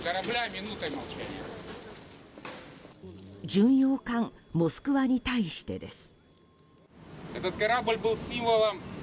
巡洋艦「モスクワ」に対してです。